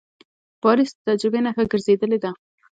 پاریس د تجربې نښه ګرځېدلې ده.